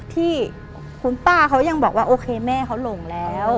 ที่คุณป้าเขายังบอกว่าโอเคแม่เขาหลงแล้ว